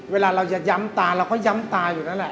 เวลาเราจะย้ำตาเราก็ย้ำตาอยู่นั่นแหละ